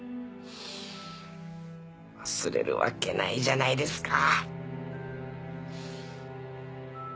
忘れるわけないじゃないですか。